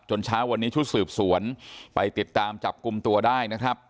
เช้าวันนี้ชุดสืบสวนไปติดตามจับกลุ่มตัวได้นะครับ